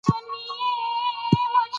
کولرا د اوبو له لارې خپرېږي.